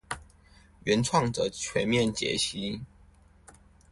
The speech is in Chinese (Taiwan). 原創者全面解析